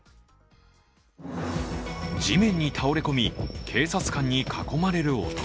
地面に倒れ込み、警察官に囲まれる男。